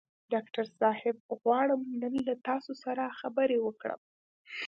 ډاکټر صاحب غواړم نن له تاسو سره خبرې وکړم.